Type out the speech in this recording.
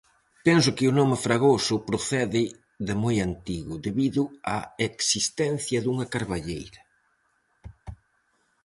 Penso que o nome "fragoso" procede de moi antigo debido á existencia dunha carballeira.